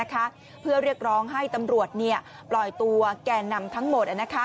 เพื่อเรียกร้องให้ตำรวจปล่อยตัวแก่นำทั้งหมด